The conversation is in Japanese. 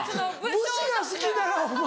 武士が好きならお前